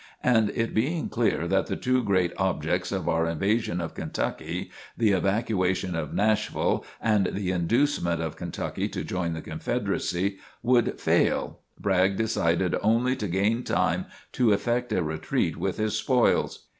And it being clear that the two great objects of our invasion of Kentucky the evacuation of Nashville and the inducement of Kentucky to join the Confederacy would fail, Bragg decided only to gain time to effect a retreat with his spoils.